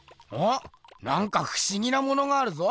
なんかふしぎなものがあるぞ。